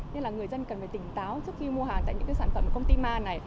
nên là người dân cần phải tỉnh táo trước khi mua hàng tại những sản phẩm của công ty ma này